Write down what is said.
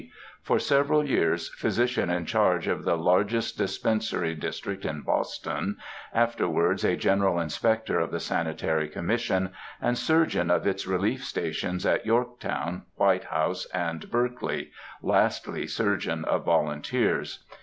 for several years physician in charge of the largest Dispensary District in Boston, afterwards a General Inspector of the Sanitary Commission, and Surgeon of its Relief Stations at Yorktown, White House, and Berkeley, lastly Surgeon of Volunteers.